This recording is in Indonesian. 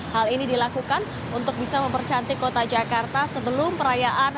hal ini dilakukan untuk bisa mempercantik kota jakarta sebelum perayaan